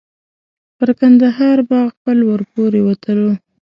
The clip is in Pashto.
پر کندهار باغ پل ور پورې وتلو.